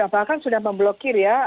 bahkan sudah memblokir ya